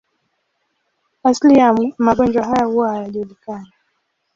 Asili ya magonjwa haya huwa hayajulikani.